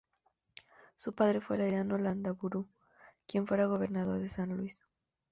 Su padre fue Laureano Landaburu, quien fuera gobernador de San Luis.